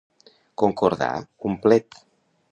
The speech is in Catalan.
Concordar un plet.